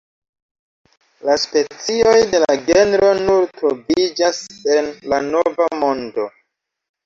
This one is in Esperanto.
La specioj de la genro nur troviĝas en la Nova Mondo.